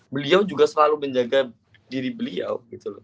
beliau juga selalu menjaga diri beliau